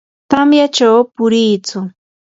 tamyachaw puriitsu.